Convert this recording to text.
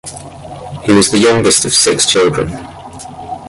He was the youngest of six children.